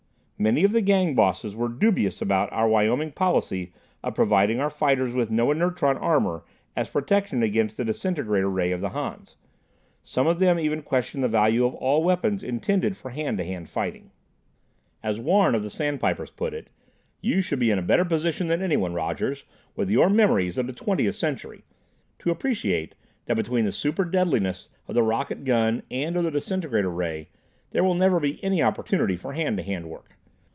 Many of the Gang Bosses were dubious about our Wyoming policy of providing our fighters with no inertron armor as protection against the disintegrator ray of the Hans. Some of them even questioned the value of all weapons intended for hand to hand fighting. As Warn, of the Sandsnipers put it: "You should be in a better position than anyone, Rogers, with your memories of the Twentieth Century, to appreciate that between the superdeadliness of the rocket gun and of the disintegrator ray there will never be any opportunity for hand to hand work.